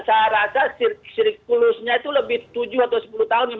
saya rasa siklusnya itu lebih tujuh atau sepuluh tahun